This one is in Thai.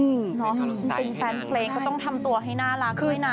น้องกินแฟนเพลงก็ต้องทำตัวให้น่ารักเลยนะ